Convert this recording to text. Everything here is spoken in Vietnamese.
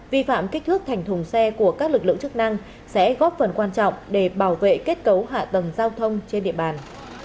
vi phạm kích thước thành thùng xe của các lực lượng chức năng sẽ góp phần quan trọng để bảo vệ kết cấu hạ tầng giao thông trên địa bàn